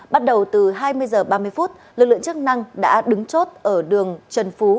bắt đầu từ hai mươi h ba mươi phút lực lượng chức năng đã đứng chốt ở đường trần phú